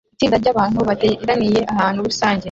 Itsinda ryabantu bateraniye ahantu rusange